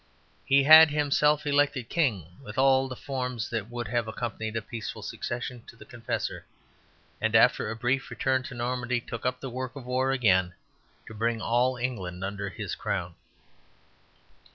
He had himself elected king with all the forms that would have accompanied a peaceful succession to the Confessor, and after a brief return to Normandy took up the work of war again to bring all England under his crown.